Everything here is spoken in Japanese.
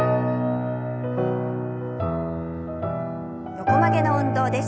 横曲げの運動です。